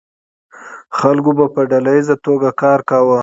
خلکو به په ډله ایزه توګه کار کاوه.